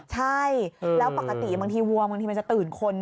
ใช่แล้วปกติบางทีวัวบางทีมันจะตื่นคน